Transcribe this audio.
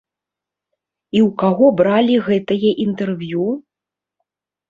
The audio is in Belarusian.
І ў каго бралі гэтае інтэрв'ю?